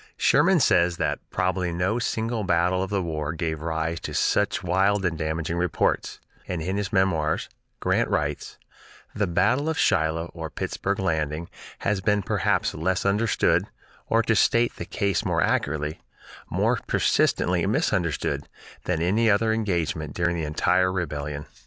Sherman says that "probably no single battle of the war gave rise to such wild and damaging reports"; and in his "Memoirs" Grant writes: "The battle of Shiloh or Pittsburg Landing has been perhaps less understood, or, to state the case more accurately, more persistently misunderstood, than any other engagement during the entire rebellion."